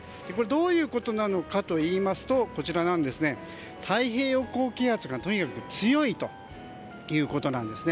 どういうことなのかといいますと太平洋高気圧がとにかく強いということなんです。